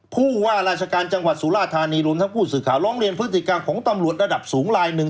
ผู้ว่าราชการจังหวัดสุราธานีรวมทั้งผู้สื่อข่าวร้องเรียนพฤติกรรมของตำรวจระดับสูงลายหนึ่ง